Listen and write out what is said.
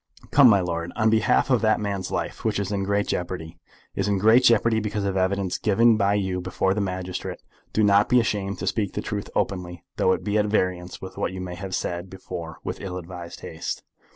Come, my lord, on behalf of that man's life, which is in great jeopardy, is in great jeopardy because of the evidence given by you before the magistrate, do not be ashamed to speak the truth openly, though it be at variance with what you may have said before with ill advised haste."